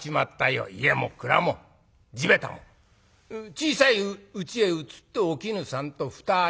小さいうちへ移ってお絹さんと二人暮らし。